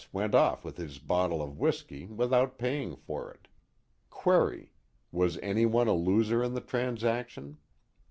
went off with his bottle of whiskey without paying for it. Query: Was anyone a loser in the transaction